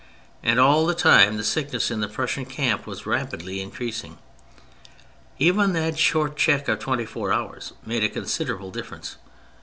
And all the time the sickness in the Prussian camp was rapidly increasing. Even that short check of twenty four hours made a considerable difference.